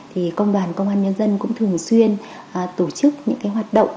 thì công đoàn công an nhân dân cũng thường xuyên tổ chức những hoạt động